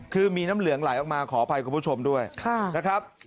คือมีน้ำเหลืองไหลออกมาขออภัยคุณผู้ชมด้วยนะครับ